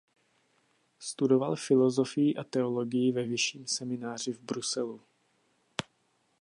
Studoval filosofii a teologii ve Vyšším semináři v Bruselu.